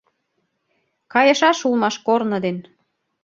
Кайышаш улмаш корно ден.